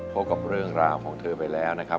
พบกับเรื่องราวของเธอไปแล้วนะครับ